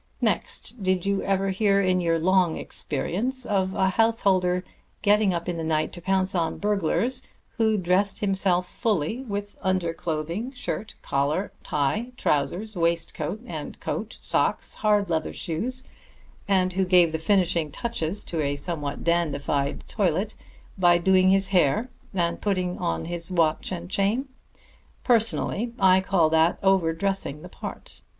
Next: did you ever hear in your long experience of a householder getting up in the night to pounce on burglars, who dressed himself fully, with underclothing, shirt, collar and tie, trousers, waistcoat and coat, socks and hard leather shoes; and who gave the finishing touches to a somewhat dandified toilet by doing his hair and putting on his watch and chain? Personally, I call that over dressing the part.